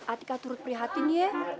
atika turut prihatin ya